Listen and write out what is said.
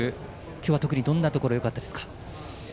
今日は特にどんなところがよかったですか。